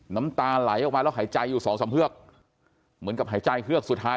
น้ำตาไหลออกมาแล้วหายใจอยู่สองสามเฮือกเหมือนกับหายใจเฮือกสุดท้าย